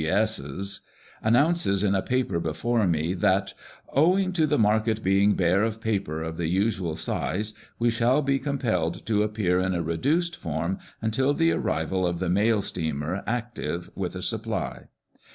G.S.'s) announces in a paper before me, that, " Owing to the market being bare of paper of the usual size, we shall be compelled to appear in a reduced form until the arrival of the mail steamer Active with a supply."